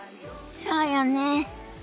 そうよね。